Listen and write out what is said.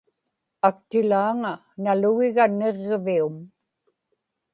aktilaaŋa nalugiga niġġivium